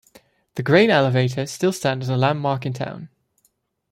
The grain elevators still stand as a landmark in town.